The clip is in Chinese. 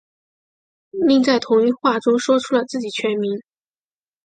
另在同一话中说出了自己全名。